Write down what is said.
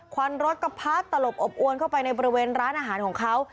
วันรถก็พัดตลบอบอวนเข้าไปในบริเวณร้านอาหารของเขา